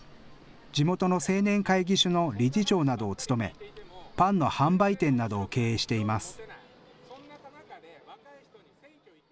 地元の青年会議所の理事長などを務め、パンの販売店などを経営しています。